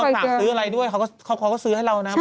เราฝากซื้ออะไรด้วยเค้าคอยก็ซื้อให้เรานะ